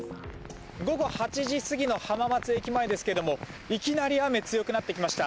午後８時過ぎの浜松駅前ですがいきなり雨、強くなってきました。